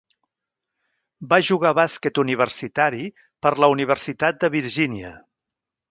Va jugar bàsquet universitari per la Universitat de Virgínia.